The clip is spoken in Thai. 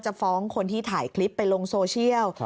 ฟ้องคนที่ถ่ายคลิปไปลงโซเชียล